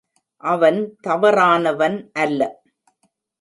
அவன் தவறானவன் அல்ல.